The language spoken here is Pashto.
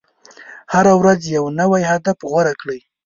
هره ورځ یو نوی هدف غوره کړئ.